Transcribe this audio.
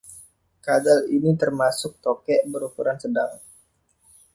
Kadal ini termasuk tokek berukuran sedang.